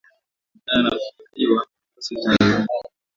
kutokana na kufufuliwa kwa sekta ya huduma